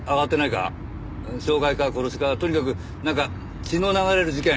傷害か殺しかとにかくなんか血の流れる事件。